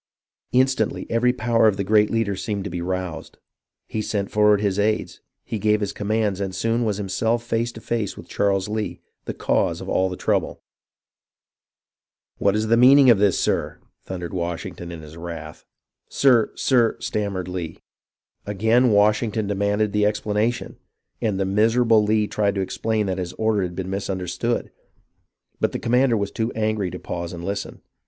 Instantly every power of the great leader seemed to be roused. He sent forward his aides, he gave his com mands, and soon was himself face to face with Charles Lee, the cause of all the trouble.^ "What is the meaning of this, sir.?" thundered Wash ington, in his wrath. " Sir, — Sir —" stammered Lee. Again Washington demanded the explanation, and the miserable Lee tried to explain that his order had been mis understood, but the commander was too angry to pause and listen.